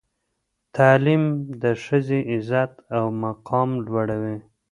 تعلیم د ښځې عزت او مقام لوړوي.